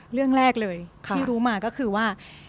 เรื่องแรกเลยที่รู้มาก็คือว่า